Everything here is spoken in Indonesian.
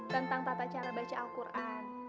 tentang tata cara baca al quran